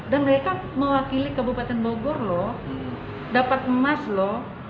dan mereka mewakili kebupaten bogor lho dapat emas lho